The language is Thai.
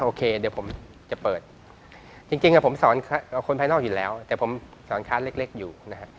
โอเคเดี๋ยวผมจะเปิดจริงผมสอนคนภายนอกอยู่แล้วแต่ผมสอนค้าเล็กอยู่นะฮะ